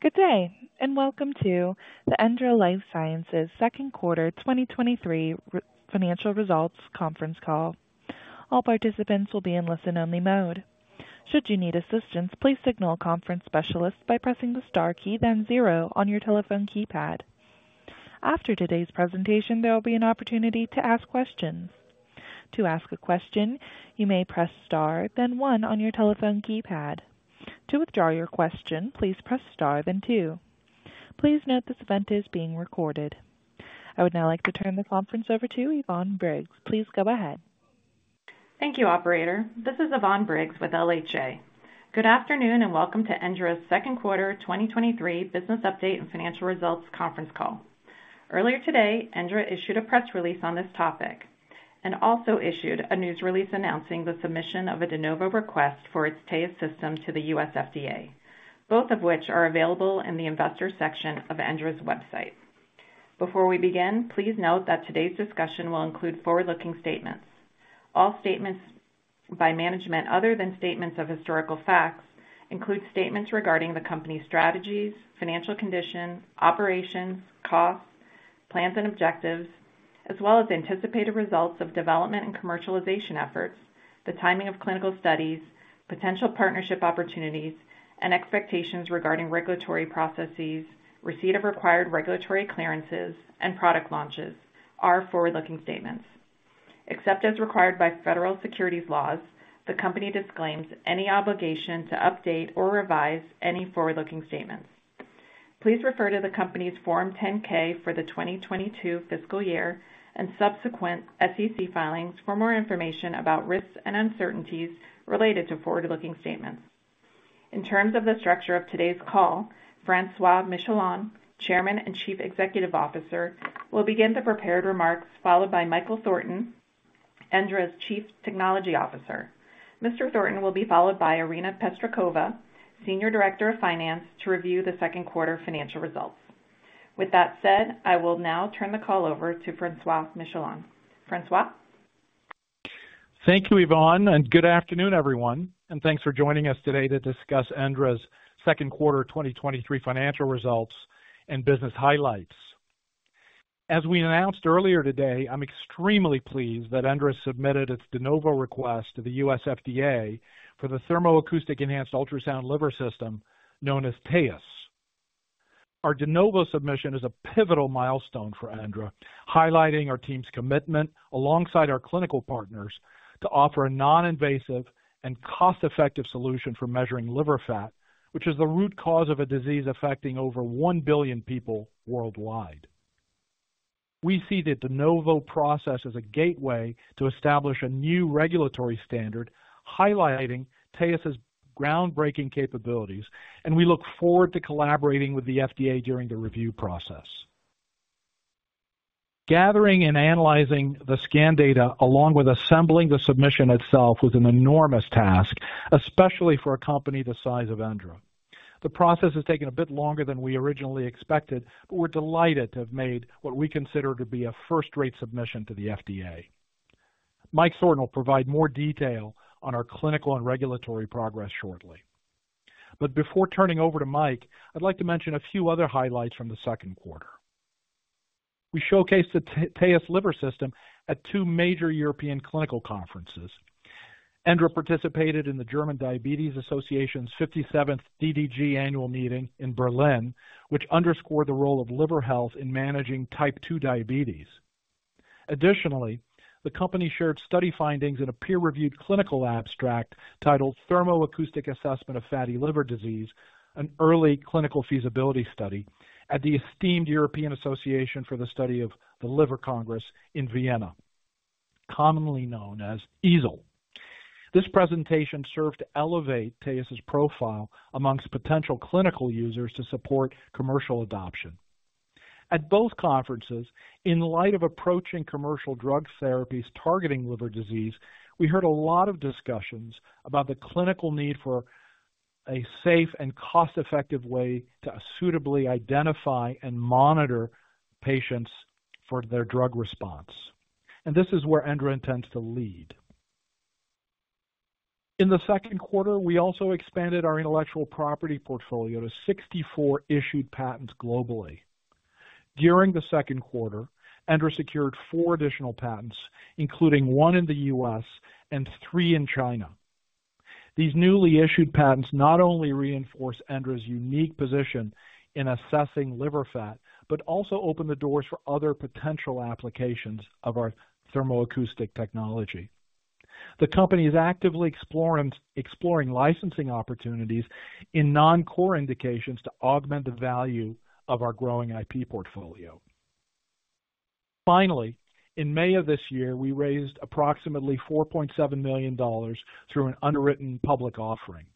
Good day, and welcome to the ENDRA Life Sciences second quarter 2023 financial results conference call. All participants will be in listen-only mode. Should you need assistance, please signal a conference specialist by pressing the star key, then zero on your telephone keypad. After today's presentation, there will be an opportunity to ask questions. To ask a question, you may press star, then one on your telephone keypad. To withdraw your question, please press star, then two. Please note this event is being recorded. I would now like to turn the conference over to Yvonne Briggs. Please go ahead. Thank you, operator. This is Yvonne Briggs with LHA. Good afternoon, welcome to ENDRA's 2nd quarter 2023 business update and financial results conference call. Earlier today, ENDRA issued a press release on this topic and also issued a news release announcing the submission of a De Novo request for its TAEUS system to the U.S. FDA, both of which are available in the Investors section of ENDRA's website. Before we begin, please note that today's discussion will include forward-looking statements. All statements by management other than statements of historical facts, include statements regarding the company's strategies, financial conditions, operations, costs, plans and objectives, as well as anticipated results of development and commercialization efforts, the timing of clinical studies, potential partnership opportunities, and expectations regarding regulatory processes, receipt of required regulatory clearances, and product launches are forward-looking statements. Except as required by federal securities laws, the company disclaims any obligation to update or revise any forward-looking statements. Please refer to the company's Form 10-K for the 2022 fiscal year and subsequent SEC filings for more information about risks and uncertainties related to forward-looking statements. In terms of the structure of today's call, Francois Michelon, Chairman and Chief Executive Officer, will begin the prepared remarks, followed by Michael Thornton, ENDRA's Chief Technology Officer. Mr. Thornton will be followed by Irina Pestrikova, Senior Director of Finance, to review the second quarter financial results. With that said, I will now turn the call over to Francois Michelon. Francois? Thank you, Yvonne, good afternoon, everyone, and thanks for joining us today to discuss ENDRA's second quarter 2023 financial results and business highlights. As we announced earlier today, I'm extremely pleased that ENDRA submitted its De Novo request to the U.S. FDA for the Thermoacoustic Enhanced Ultrasound liver system, known as TAEUS. Our De Novo submission is a pivotal milestone for ENDRA, highlighting our team's commitment, alongside our clinical partners, to offer a non-invasive and cost-effective solution for measuring liver fat, which is the root cause of a disease affecting over 1 billion people worldwide. We see the De Novo process as a gateway to establish a new regulatory standard, highlighting TAEUS's groundbreaking capabilities, we look forward to collaborating with the FDA during the review process. Gathering and analyzing the scan data, along with assembling the submission itself, was an enormous task, especially for a company the size of ENDRA. The process has taken a bit longer than we originally expected, but we're delighted to have made what we consider to be a first-rate submission to the FDA. Mike Thornton will provide more detail on our clinical and regulatory progress shortly. Before turning over to Mike, I'd like to mention a few other highlights from the second quarter. We showcased the TAEUS liver system at two major European clinical conferences. ENDRA participated in the German Diabetes Association's 57th DDG annual meeting in Berlin, which underscored the role of liver health in managing type 2 diabetes. Additionally, the company shared study findings in a peer-reviewed clinical abstract titled "Thermoacoustic Assessment of Fatty Liver Disease: An Early Clinical Feasibility Study," at the esteemed European Association for the Study of the Liver Congress in Vienna, commonly known as EASL. This presentation served to elevate TAEUS's profile amongst potential clinical users to support commercial adoption. At both conferences, in light of approaching commercial drug therapies targeting liver disease, we heard a lot of discussions about the clinical need for a safe and cost-effective way to suitably identify and monitor patients for their drug response. This is where ENDRA intends to lead. In the second quarter, we also expanded our intellectual property portfolio to 64 issued patents globally. During the second quarter, ENDRA secured 4 additional patents, including 1 in the U.S. and three in China. These newly issued patents not only reinforce ENDRA's unique position in assessing liver fat, but also open the doors for other potential applications of our thermoacoustic technology. The company is actively exploring licensing opportunities in non-core indications to augment the value of our growing IP portfolio. Finally, in May of this year, we raised approximately $4.7 million through an underwritten public offering.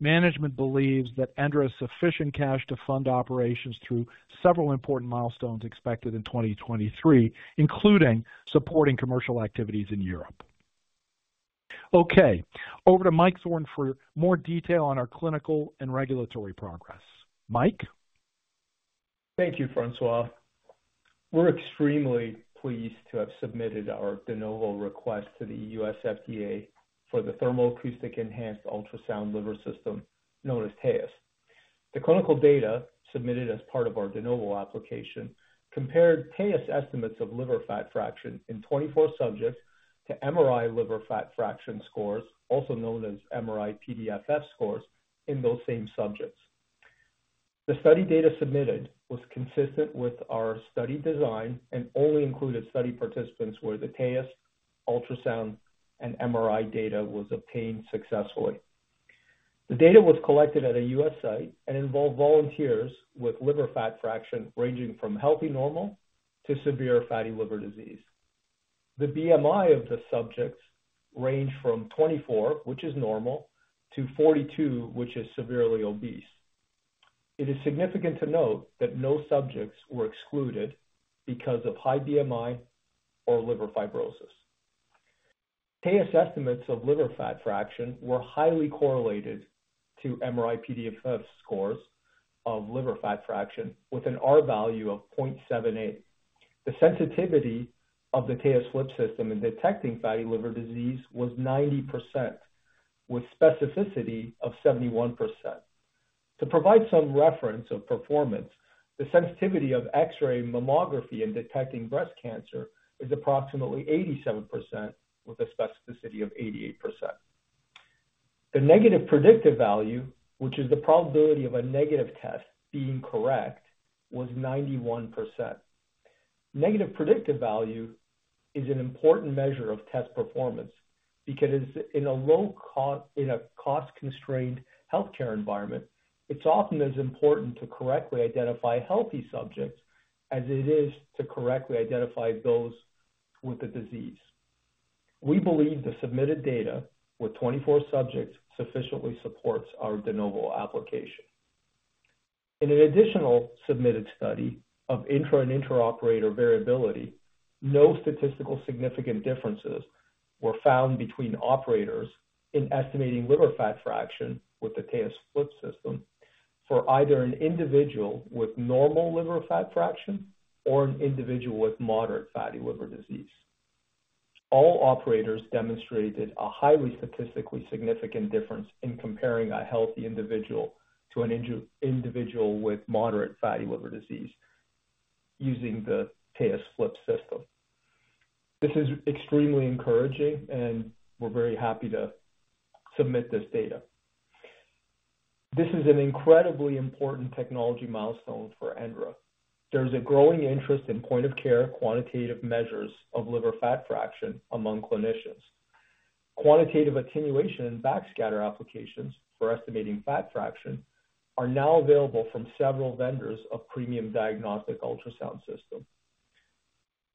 Management believes that ENDRA has sufficient cash to fund operations through several important milestones expected in 2023, including supporting commercial activities in Europe. Over to Mike Thornton for more detail on our clinical and regulatory progress. Mike? Thank you, François. We're extremely pleased to have submitted our De Novo request to the U.S. FDA for the Thermoacoustic Enhanced Ultrasound liver system, known as TAEUS. The clinical data submitted as part of our De Novo application compared TAEUS estimates of liver fat fraction in 24 subjects to MRI liver fat fraction scores, also known as MRI-PDFF scores, in those same subjects. The study data submitted was consistent with our study design and only included study participants where the TAEUS ultrasound and MRI data was obtained successfully. The data was collected at a U.S. site and involved volunteers with liver fat fraction ranging from healthy normal to severe fatty liver disease. The BMI of the subjects ranged from 24, which is normal, to 42, which is severely obese. It is significant to note that no subjects were excluded because of high BMI or liver fibrosis. TAEUS estimates of liver fat fraction were highly correlated to MRI-PDFF scores of liver fat fraction with an R value of 0.78. The sensitivity of the TAEUS liver system in detecting fatty liver disease was 90%, with specificity of 71%. To provide some reference of performance, the sensitivity of X-ray mammography in detecting breast cancer is approximately 87%, with a specificity of 88%. The negative predictive value, which is the probability of a negative test being correct, was 91%. Negative predictive value is an important measure of test performance because in a cost-constrained healthcare environment, it's often as important to correctly identify healthy subjects as it is to correctly identify those with the disease. We believe the submitted data with 24 subjects sufficiently supports our De Novo application. In an additional submitted study of intra- and inter-operator variability, no statistical significant differences were found between operators in estimating liver fat fraction with the TAEUS liver system for either an individual with normal liver fat fraction or an individual with moderate fatty liver disease. All operators demonstrated a highly statistically significant difference in comparing a healthy individual to an individual with moderate fatty liver disease using the TAEUS liver system. This is extremely encouraging, and we're very happy to submit this data. This is an incredibly important technology milestone for ENDRA. There's a growing interest in point-of-care quantitative measures of liver fat fraction among clinicians. Quantitative attenuation and backscatter applications for estimating fat fraction are now available from several vendors of premium diagnostic ultrasound systems.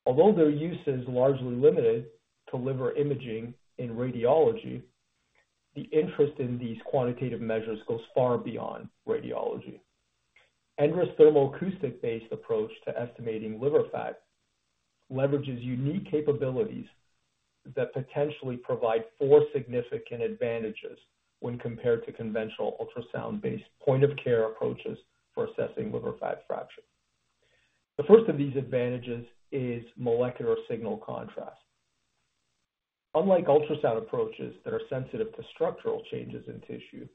Although their use is largely limited to liver imaging in radiology, the interest in these quantitative measures goes far beyond radiology. ENDRA's thermoacoustic-based approach to estimating liver fat leverages unique capabilities that potentially provide four significant advantages when compared to conventional ultrasound-based point-of-care approaches for assessing liver fat fraction. The first of these advantages is molecular signal contrast. Unlike ultrasound approaches that are sensitive to structural changes in tissue,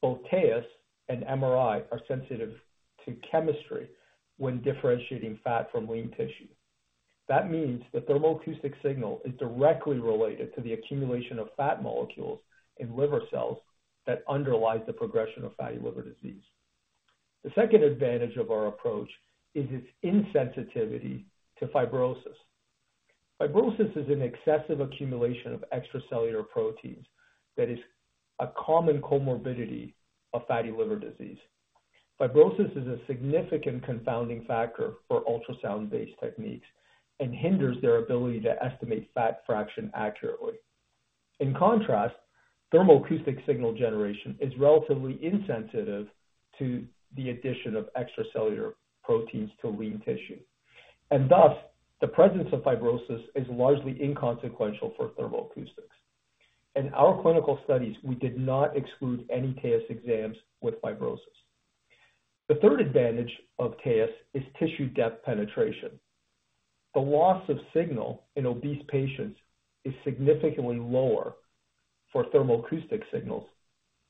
both TAEUS and MRI are sensitive to chemistry when differentiating fat from lean tissue. That means the thermoacoustic signal is directly related to the accumulation of fat molecules in liver cells that underlie the progression of fatty liver disease. The second advantage of our approach is its insensitivity to fibrosis. Fibrosis is an excessive accumulation of extracellular proteins that is a common comorbidity of fatty liver disease. Fibrosis is a significant confounding factor for ultrasound-based techniques and hinders their ability to estimate fat fraction accurately. In contrast, thermoacoustic signal generation is relatively insensitive to the addition of extracellular proteins to lean tissue, and thus the presence of fibrosis is largely inconsequential for thermoacoustics. In our clinical studies, we did not exclude any TAEUS exams with fibrosis. The third advantage of TAEUS is tissue depth penetration. The loss of signal in obese patients is significantly lower for thermoacoustic signals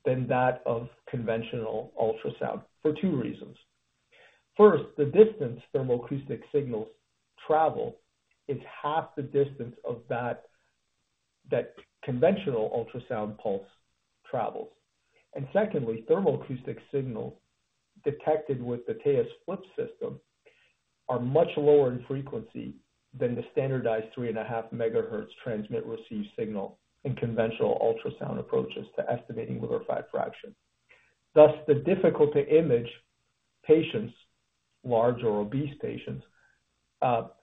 than that of conventional ultrasound for two reasons. First, the distance thermoacoustic signals travel is half the distance of that conventional ultrasound pulse travels. Secondly, thermoacoustic signals detected with the TAEUS liver system are much lower in frequency than the standardized 3.5 megahertz transmit receive signal in conventional ultrasound approaches to estimating liver fat fraction. Thus, the difficult to image patients, large or obese patients,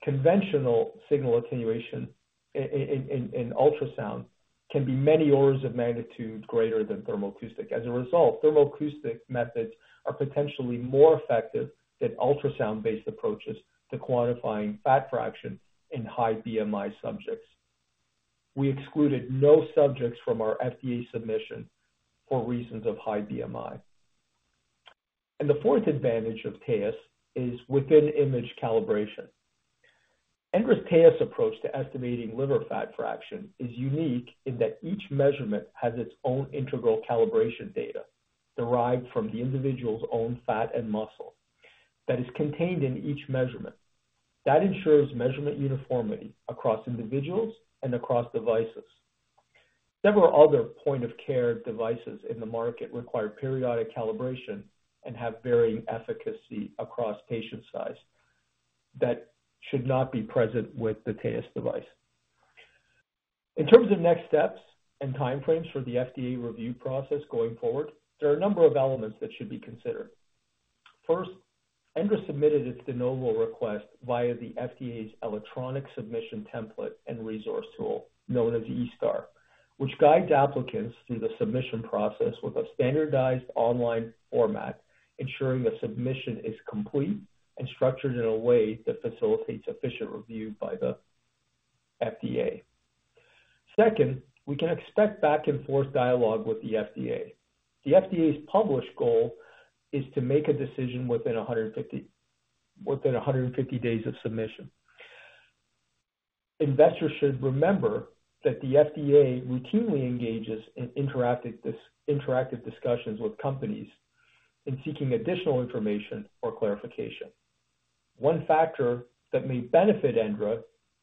conventional signal attenuation in ultrasound can be many orders of magnitude greater than thermoacoustic. As a result, thermoacoustic methods are potentially more effective than ultrasound-based approaches to quantifying fat fraction in high BMI subjects. We excluded no subjects from our FDA submission for reasons of high BMI. The fourth advantage of TAEUS is within-image calibration. ENDRA's TAEUS approach to estimating liver fat fraction is unique in that each measurement has its own integral calibration data, derived from the individual's own fat and muscle, that is contained in each measurement. That ensures measurement uniformity across individuals and across devices. Several other point-of-care devices in the market require periodic calibration and have varying efficacy across patient size. That should not be present with the TAEUS device. In terms of next steps and timeframes for the FDA review process going forward, there are a number of elements that should be considered. First, ENDRA submitted its De Novo request via the FDA's electronic Submission Template And Resource tool, known as eSTAR, which guides applicants through the submission process with a standardized online format, ensuring the submission is complete and structured in a way that facilitates efficient review by the FDA. Second, we can expect back and forth dialogue with the FDA. The FDA's published goal is to make a decision within 150, within 150 days of submission. Investors should remember that the FDA routinely engages in interactive discussions with companies in seeking additional information or clarification. One factor that may benefit ENDRA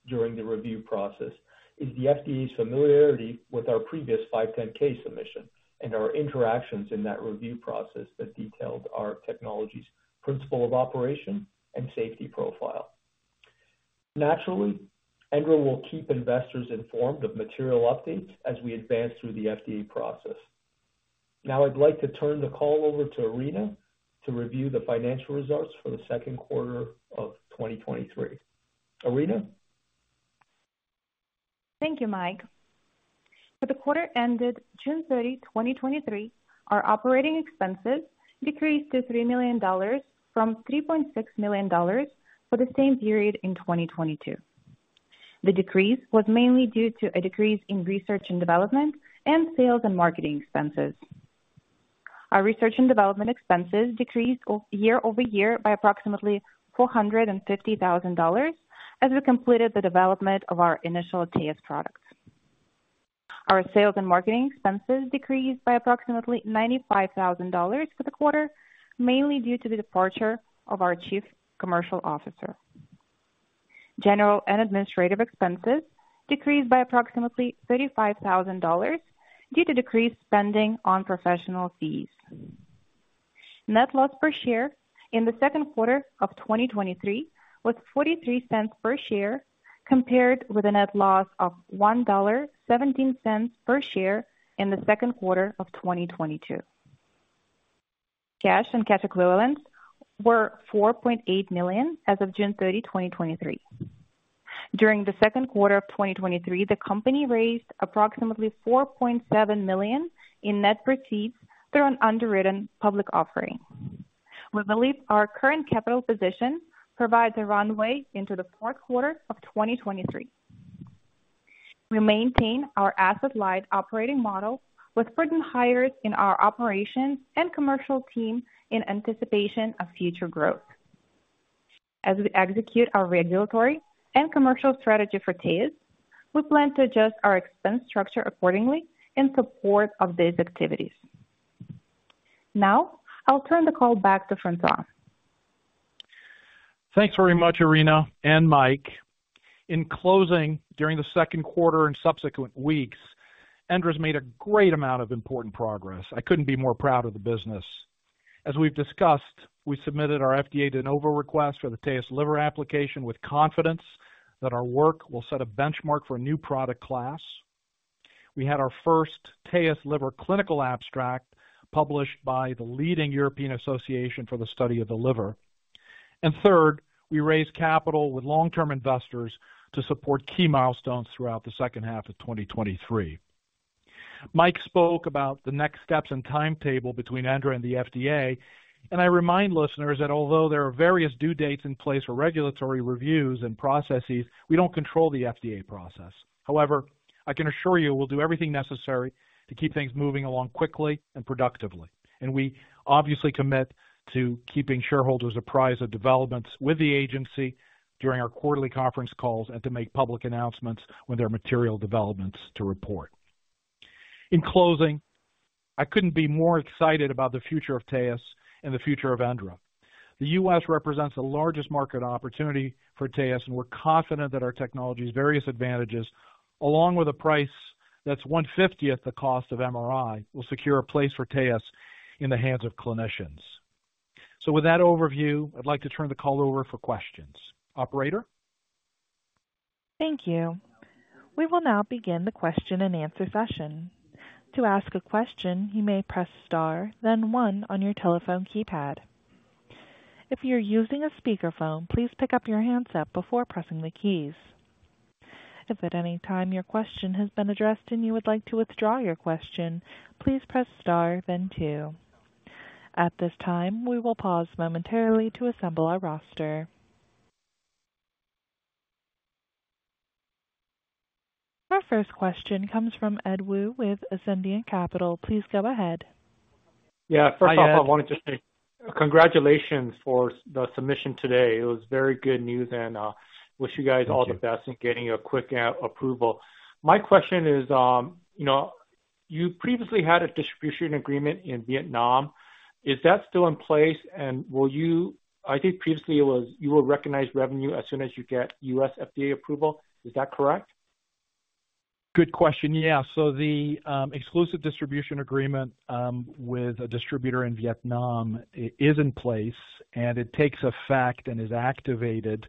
during the review process is the FDA's familiarity with our previous 510(k) submission and our interactions in that review process that detailed our technology's principle of operation and safety profile. Naturally, ENDRA will keep investors informed of material updates as we advance through the FDA process. Now I'd like to turn the call over to Irina to review the financial results for the second quarter of 2023. Irina? Thank you, Mike. For the quarter ended June 30, 2023, our operating expenses decreased to $3 million from $3.6 million for the same period in 2022. The decrease was mainly due to a decrease in research and development and sales and marketing expenses. Our research and development expenses decreased year-over-year by approximately $450,000 as we completed the development of our initial TAEUS products. Our sales and marketing expenses decreased by approximately $95,000 for the quarter, mainly due to the departure of our chief commercial officer. General and administrative expenses decreased by approximately $35,000 due to decreased spending on professional fees. Net loss per share in the second quarter of 2023 was $0.43 per share, compared with a net loss of $1.17 per share in the second quarter of 2022. Cash and cash equivalents were $4.8 million as of June 30, 2023. During the second quarter of 2023, the company raised approximately $4.7 million in net proceeds through an underwritten public offering. We believe our current capital position provides a runway into the fourth quarter of 2023. We maintain our asset-light operating model with prudent hires in our operations and commercial team in anticipation of future growth. As we execute our regulatory and commercial strategy for TAEUS, we plan to adjust our expense structure accordingly in support of these activities. I'll turn the call back to François. Thanks very much, Irina and Mike. In closing, during the 2nd quarter and subsequent weeks, ENDRA's made a great amount of important progress. I couldn't be more proud of the business. As we've discussed, we submitted our FDA De Novo request for the TAEUS liver application with confidence that our work will set a benchmark for a new product class. We had our 1st TAEUS liver clinical abstract published by the leading European Association for the Study of the Liver. 3rd, we raised capital with long-term investors to support key milestones throughout the 2nd half of 2023. Mike spoke about the next steps and timetable between ENDRA and the FDA, and I remind listeners that although there are various due dates in place for regulatory reviews and processes, we don't control the FDA process. However, I can assure you we'll do everything necessary to keep things moving along quickly and productively. We obviously commit to keeping shareholders apprised of developments with the agency during our quarterly conference calls and to make public announcements when there are material developments to report. In closing, I couldn't be more excited about the future of TAE and the future of ENDRA. The U.S. represents the largest market opportunity for TAEUS, and we're confident that our technology's various advantages, along with a price that's one-fiftieth the cost of MRI, will secure a place for TAEUS in the hands of clinicians. With that overview, I'd like to turn the call over for questions. Operator? Thank you. We will now begin the question-and-answer session. To ask a question, you may press star, then 1 on your telephone keypad. If you're using a speakerphone, please pick up your handset before pressing the keys. If at any time your question has been addressed and you would like to withdraw your question, please press star, then 2. At this time, we will pause momentarily to assemble our roster. Our first question comes from Edward Woo with Ascendiant Capital. Please go ahead. Yeah. Hi, Ed. First off, I wanted to say congratulations for the submission today. It was very good news, and wish you guys- Thank you. all the best in getting a quick, approval. My question is, you know, you previously had a distribution agreement in Vietnam. Is that still in place? Will you, I think previously it was, you will recognize revenue as soon as you get U.S. FDA approval. Is that correct? Good question. Yeah. The exclusive distribution agreement with a distributor in Vietnam is in place, and it takes effect and is activated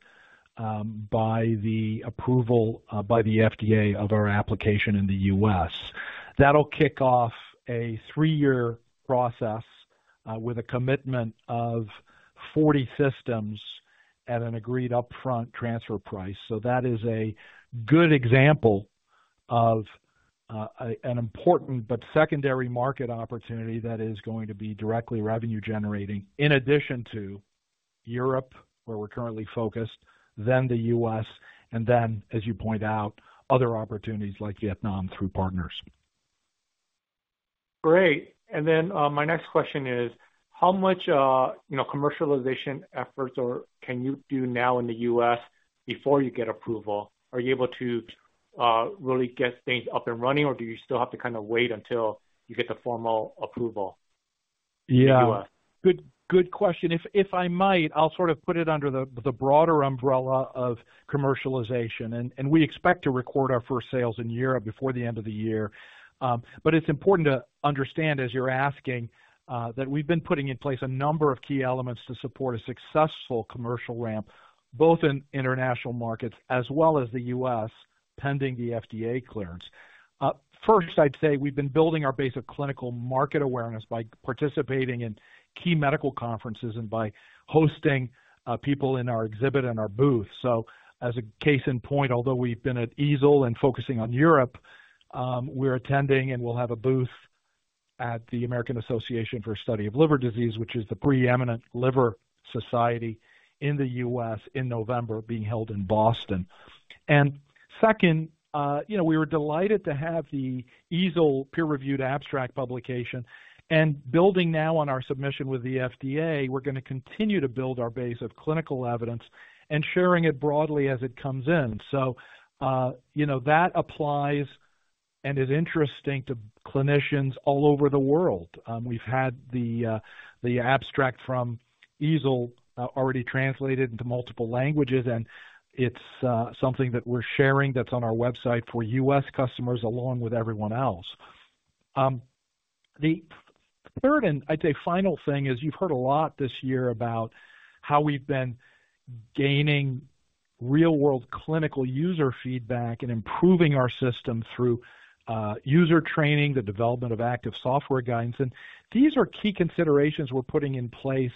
by the approval by the FDA of our application in the US. That'll kick off a three-year process, with a commitment of 40 systems at an agreed upfront transfer price. That is a good example of an important but secondary market opportunity that is going to be directly revenue generating, in addition to Europe, where we're currently focused, then the US, and then, as you point out, other opportunities like Vietnam through partners. Great. My next question is: How much, you know, commercialization efforts or can you do now in the U.S. before you get approval? Are you able to really get things up and running, or do you still have to kind of wait until you get the formal approval? Yeah in the US? Good, good question. If, if I might, I'll sort of put it under the, the broader umbrella of commercialization. We expect to record our first sales in Europe before the end of the year. It's important to understand, as you're asking, that we've been putting in place a number of key elements to support a successful commercial ramp, both in international markets as well as the US, pending the FDA clearance. I'd say we've been building our base of clinical market awareness by participating in key medical conferences and by hosting, people in our exhibit and our booth. As a case in point, although we've been at EASL and focusing on Europe, we're attending, and we'll have a booth at the American Association for the Study of Liver Diseases, which is the preeminent liver society in the US, in November, being held in Boston. Second, you know, we were delighted to have the EASL peer-reviewed abstract publication. Building now on our submission with the FDA, we're gonna continue to build our base of clinical evidence and sharing it broadly as it comes in. You know, that applies and is interesting to clinicians all over the world. We've had the, the abstract from EASL, already translated into multiple languages, and it's something that we're sharing that's on our website for US customers, along with everyone else. The third, and I'd say final thing is you've heard a lot this year about how we've been gaining real-world clinical user feedback and improving our system through user training, the development of active software guidance. These are key considerations we're putting in place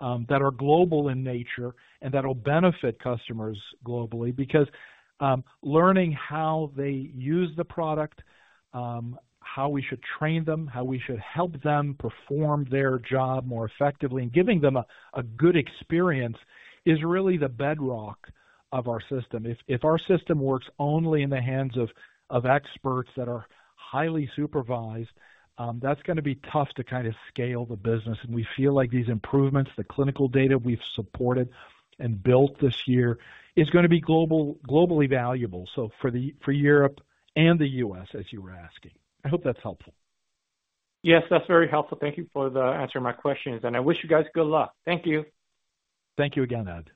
that are global in nature and that'll benefit customers globally. Learning how they use the product, how we should train them, how we should help them perform their job more effectively, and giving them a good experience, is really the bedrock of our system. If our system works only in the hands of, of experts that are highly supervised, that's gonna be tough to kind of scale the business. We feel like these improvements, the clinical data we've supported and built this year, is gonna be globally valuable, so for the, for Europe and the US, as you were asking. I hope that's helpful. Yes, that's very helpful. Thank you for the answering my questions. I wish you guys good luck. Thank you. Thank you again, Ed.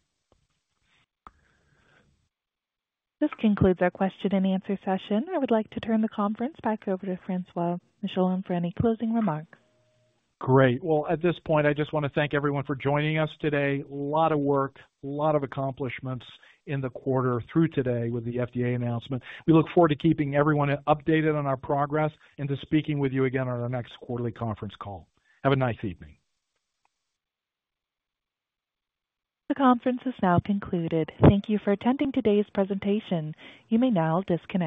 This concludes our question-and-answer session. I would like to turn the conference back over to Francois Michelon for any closing remarks. Great. Well, at this point, I just want to thank everyone for joining us today. A lot of work, a lot of accomplishments in the quarter through today with the FDA announcement. We look forward to keeping everyone updated on our progress and to speaking with you again on our next quarterly conference call. Have a nice evening. The conference is now concluded. Thank you for attending today's presentation. You may now disconnect.